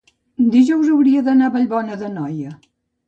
dijous hauria d'anar a Vallbona d'Anoia.